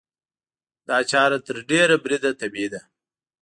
دا چاره تر ډېره بریده طبیعي ده.